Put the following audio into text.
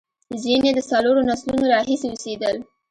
ځینې د څلورو نسلونو راهیسې اوسېدل.